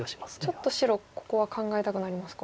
ちょっと白ここは考えたくなりますか？